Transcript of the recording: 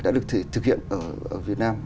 đã được thực hiện ở việt nam